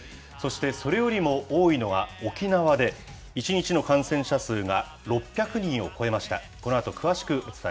そして、それよりも多いのが沖縄で、１日の感染者数が６００人を超えました。